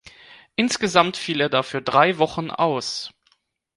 Insgesamt fiel er dafür drei Wochen aus.